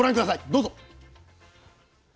どうぞ！